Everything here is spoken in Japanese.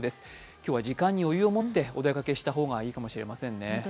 今日は時間に余裕を持ってお出かけした方がいいかもしれませんね。